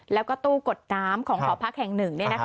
แล้วก็ตู้กดน้ำของหอพักแห่งหนึ่ง